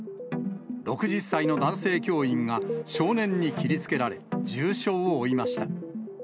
６０歳の男性教員が少年に切りつけられ、重傷を負いました。